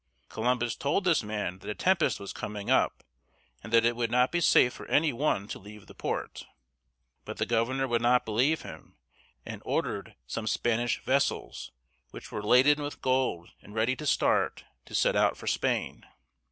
Columbus told this man that a tempest was coming up, and that it would not be safe for any one to leave the port. But the governor would not believe him, and ordered some Spanish vessels, which were laden with gold and ready to start, to set out for Spain.